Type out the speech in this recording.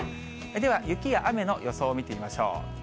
では雪や雨の予想、見てみましょう。